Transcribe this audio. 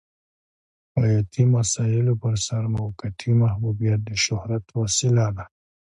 حیاتي مسایلو پرسر موقتي محبوبیت د شهرت وسیله ده.